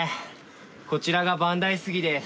こちらが万代杉です。